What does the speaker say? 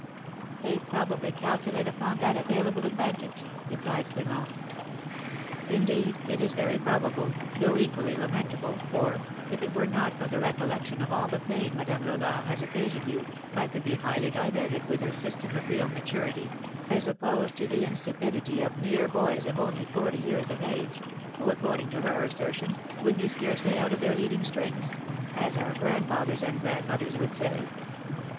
"They probably calculate upon that available advantage," replied Clémence. "Indeed, it is very probable, though equally lamentable, for, if it were not for the recollection of all the pain Madame Roland has occasioned you, I could be highly diverted with her system of real maturity as opposed to the insipidity of mere boys of only forty years of age, who, according to her assertion, would be scarcely out of their leading strings, as our grandfathers and grandmothers would say."